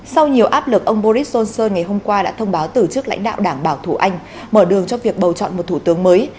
sau nhiều áp lực ông boris johnson ngày hôm qua đã thông báo tử chức lãnh đạo đảng bảo thủ anh mở đường cho việc bầu chọn một thủ tướng mới